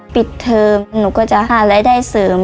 ปิดเทอมหนูก็จะหารายได้เสริม